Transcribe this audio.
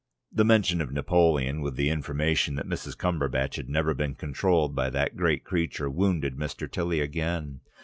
The mention of Napoleon, with the information that Mrs. Cumberbatch had never been controlled by that great creature, wounded Mr. Tilly again.